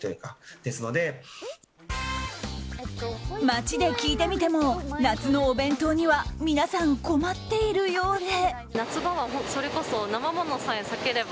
街で聞いてみても夏のお弁当には皆さん、困っているようで。